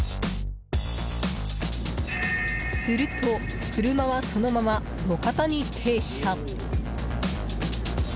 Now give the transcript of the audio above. すると、車はそのまま路肩に停車。